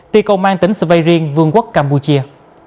tiên công an tỉnh svay riêng vương quốc campuchia